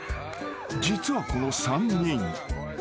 ［実はこの３人］